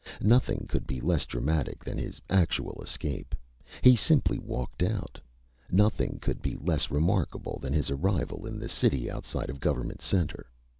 Nothing could be less dramatic than his actual escape. He simply walked out. Nothing could be less remarkable than his arrival in the city outside of Government Center.